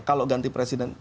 kalau ganti presiden